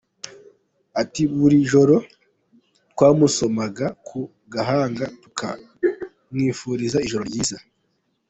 Ati “Buri joro twamusomaga ku gahanga tukamwifuriza ijoro ryiza.